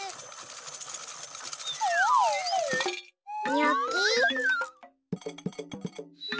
にょき。